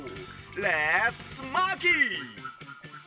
レッツマーキー！